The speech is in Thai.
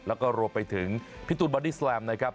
แล้วก็รวมไปถึงพี่ตูนบอดี้แลมนะครับ